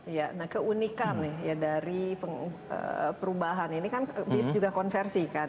iya nah keunikan ya dari perubahan ini kan bis juga konversi kan